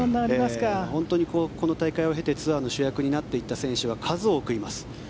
本当にこの大会を通じてツアーの主役になっていった選手は数多くいます。